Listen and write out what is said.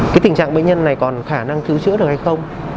cái tình trạng bệnh nhân này còn khả năng cứu chữa được hay không